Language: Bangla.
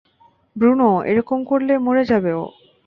ব্রুনো, এরকম করলে মরে যাবে ও!